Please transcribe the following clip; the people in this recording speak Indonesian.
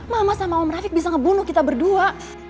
mama sama om rafiq bisa ngebunuh kita berdua